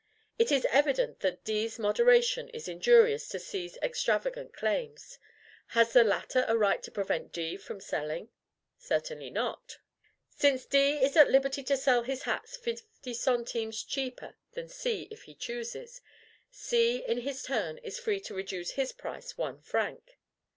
It is evident that D's moderation is injurious to C's extravagant claims. Has the latter a right to prevent D from selling? Certainly not. Since D is at liberty to sell his hats fifty centimes cheaper than C if he chooses, C in his turn is free to reduce his price one franc.